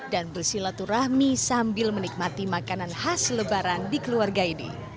dan bersilaturahmi sambil menikmati makanan khas lebaran di keluarga ini